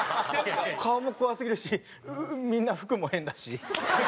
顔も怖すぎるしみんな服も変だし。